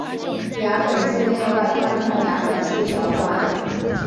牙本质内外贯穿牙本质小管。